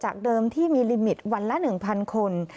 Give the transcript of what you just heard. เดิมที่มีลิมิตวันละ๑๐๐คน